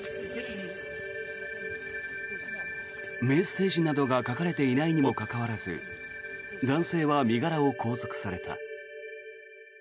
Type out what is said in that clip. メッセージなどが書かれていないにもかかわらず男性は身柄を拘束された。